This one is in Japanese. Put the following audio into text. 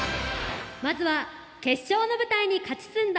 まずは決勝の舞台に勝ち進んだ